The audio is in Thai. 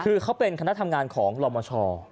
คือเขาเป็นคณะทำงานของลมช